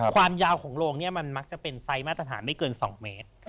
ความยาวของโรงเนี่ยมันมักจะเป็นไซส์มาตรฐานไม่เกิน๒เมตร